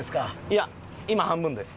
いや今半分です。